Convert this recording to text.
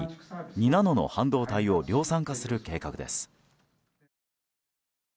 ２ナノの半導体を量産化する計画です。